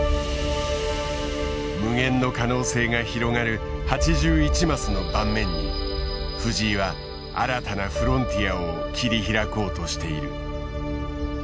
無限の可能性が広がる８１マスの盤面に藤井は新たなフロンティアを切り開こうとしている。